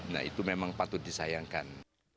nah itu memang patut disayangkan